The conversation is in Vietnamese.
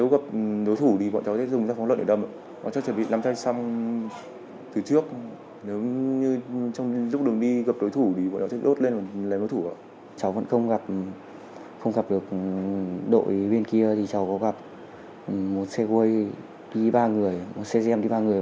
không chỉ gây sợi đau